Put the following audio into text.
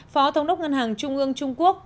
phó thống đốc ngân hàng trung ương trung quốc